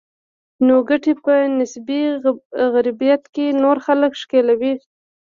نوي ګټې په نسبي غربت کې نور خلک ښکېلوي.